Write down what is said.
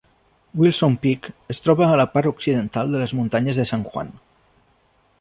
Wilson Peak es troba a la part occidental de les muntanyes de San Juan.